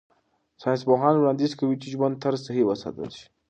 ساینسپوهان وړاندیز کوي چې ژوند طرز صحي وساتل شي.